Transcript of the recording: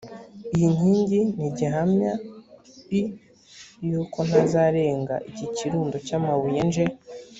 iyi nkingi ni gihamyai y uko ntazarenga iki kirundo cy amabuye nje